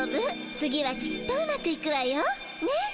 次はきっとうまくいくわよ。ね？